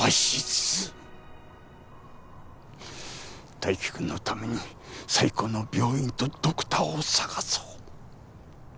泰生君のために最高の病院とドクターを探そう。